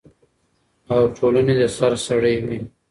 او ټولنې د سر سړی وي،